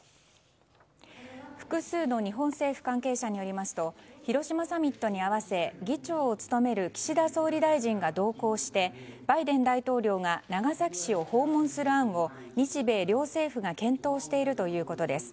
複数の日本政府関係者によりますと広島サミットに合わせ議長を務める岸田総理大臣が同行してバイデン大統領が長崎市を訪問する案を日米両政府が検討しているということです。